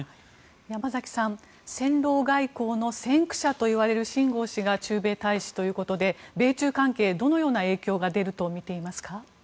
山崎さん戦狼外交の先駆者といわれるシン・ゴウ氏が駐米大使ということで米中関係にどのような影響が出ると見ていますか。